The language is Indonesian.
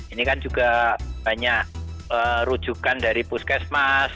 ini kan juga banyak rujukan dari puskesmas